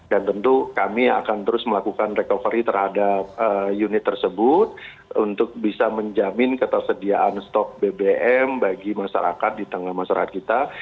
dan tentu kami akan terus melakukan recovery terhadap unit tersebut untuk bisa menjamin ketersediaan stok bbm bagi masyarakat di tengah masyarakat kita